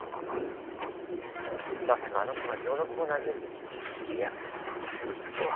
「まさかあの子がジオノコを投げるいや打つとは」。